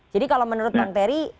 jadi kalau menurut bang terry